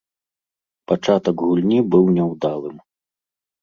Пачатак гульні быў няўдалым.